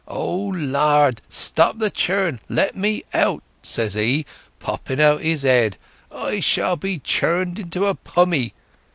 'O Lard! stop the churn! let me out!' says he, popping out his head. 'I shall be churned into a pummy!